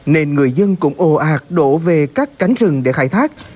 nên người dân cũng ồ ạt đổ về các tổ công tác